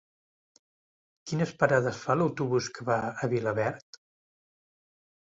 Quines parades fa l'autobús que va a Vilaverd?